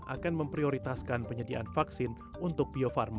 akan memprioritaskan penyediaan vaksin untuk bio farma